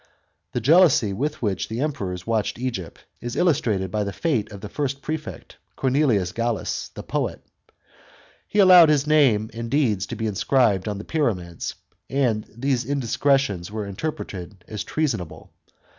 The jealousy with which the Emperors watched Egypt, is illus trated by the fate of the first prefect, Cornelius Gallus, the poet. He allowed his name and deeds to be inscribed on the pyramids, and these indiscretions were interpreted as treasonable.